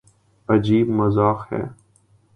عجیب مذاق ہے۔